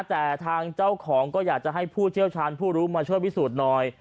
แต่ทางเจ้าของก็อยากจะให้ผู้เชี่ยวชาญผู้รู้มาช่วยพิสูจน์หน่อย